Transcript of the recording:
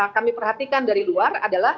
kami perhatikan dari luar adalah